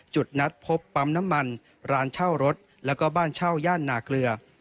จุดนัดพบปั๊มน้ำมันร้านเช่ารถแล้วก็บ้านเช่าย่านนาเกลือ